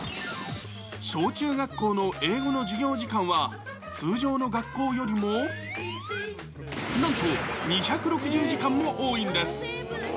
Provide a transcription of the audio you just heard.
小中学校の英語の授業時間は、通常の学校よりもなんと２６０時間も多いんです。